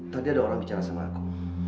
tadi ada orang bicara sama aku